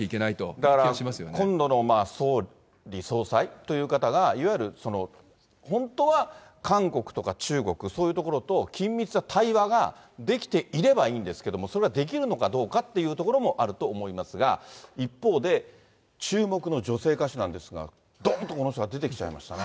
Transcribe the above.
だから、今度の総理総裁という方がいわゆる本当は韓国とか中国、そういうところと緊密な対話ができていればいいんですけれども、それができるのかどうかっていうところもあると思いますが、一方で、注目の女性歌手なんですが、どんとこの人が出てきちゃいましたね。